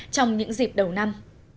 trong những dịp đầu năm